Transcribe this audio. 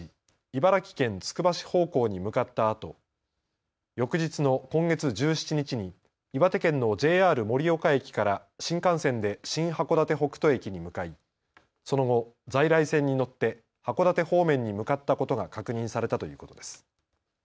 茨城県つくば市方向に向かったあと、翌日の今月１７日に岩手県のＪＲ盛岡駅から新幹線で新函館北斗駅に向かいその後、在来線に乗って函館方面に向かったことが確認されたということです。